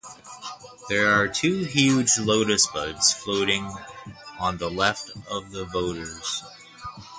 There are two huge lotus buds floating on the left of the voters.